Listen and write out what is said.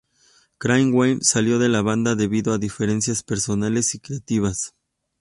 Craig Wells salió de la banda debido a diferencias personales y creativas.